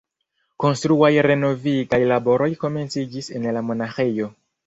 Konstruaj renovigaj laboroj komenciĝis en lamonaĥejo.